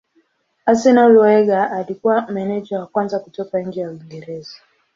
Arsenal Wenger alikuwa meneja wa kwanza kutoka nje ya Uingereza.